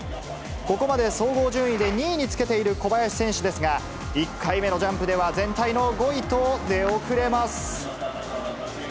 ここまで総合順位で２位につけている小林選手ですが、１回目のジャンプでは全体の５位と、出遅れます。